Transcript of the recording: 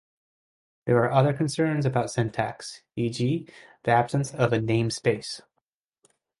There are other concerns about syntax, e.g., the absence of a namespace.